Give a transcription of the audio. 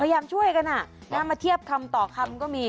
พยายามช่วยกันมาเทียบคำต่อคำก็มี